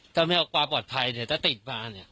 ถ้าไม่เอาความปลอดภัยเนี่ยถ้าติดมาเนี่ย